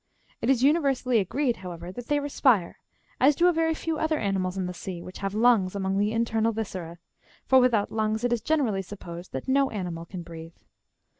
It is universally agreed, however, that they respire, as do a very few other animals ^^ in the sea, which have lungs among the internal viscera ; for without lungs it is generally supposed that no animal can breathe.